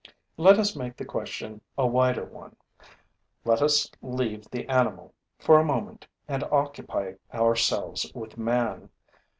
Let us make the question a wider one. Let us leave the animal, for a moment, and occupy ourselves with man.